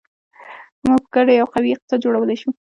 موږ په ګډه یو قوي اقتصاد جوړولی شو.